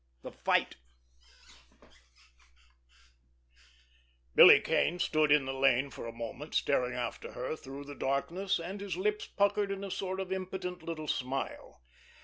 XXII—THE FIGHT Billy Kane stood in the lane for a moment, staring after her through the darkness and his lips puckered in a sort of impotent little smile.